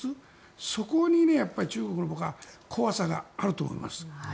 そこに中国の怖さがあると思います。